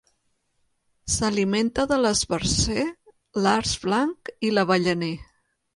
S'alimenta de l'esbarzer, l'arç blanc i l'avellaner.